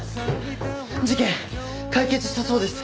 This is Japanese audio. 事件解決したそうです。